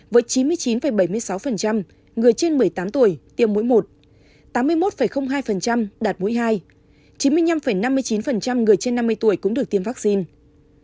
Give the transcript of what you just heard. với chín mươi chín bảy mươi sáu người trên một mươi tám tuổi tiêm mỗi một tám mươi một hai đạt mũi hai chín mươi năm năm mươi chín người trên năm mươi tuổi cũng được tiêm vaccine